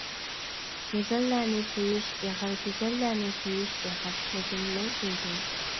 گۈزەللەرنى سۆيۈش ئېغىر گۈزەللەرنى سۆيۈش ئېغىر، لېكىن مەن سۆيدۈم.